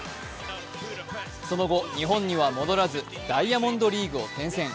その後、日本には戻らずダイヤモンドリーグを転戦。